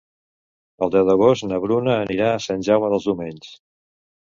El deu d'agost na Bruna anirà a Sant Jaume dels Domenys.